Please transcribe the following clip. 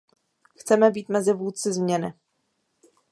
Chceme být mezi vůdci změny.